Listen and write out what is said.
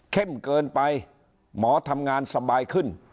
เกินไปหมอทำงานสบายขึ้น